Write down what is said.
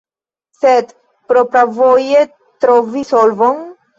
Sed propravoje trovi solvon?